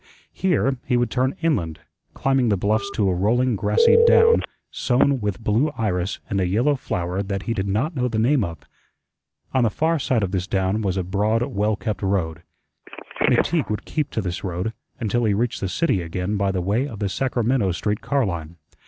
Here he would turn inland, climbing the bluffs to a rolling grassy down sown with blue iris and a yellow flower that he did not know the name of. On the far side of this down was a broad, well kept road. McTeague would keep to this road until he reached the city again by the way of the Sacramento Street car line.